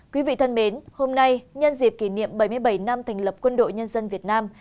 quý vị thân mến hôm nay nhân dịp kỷ niệm bảy mươi bảy năm thành lập quân đội nhân dân việt nam